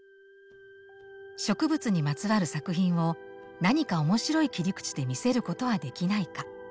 植物にまつわる作品を何か面白い切り口で見せることはできないか。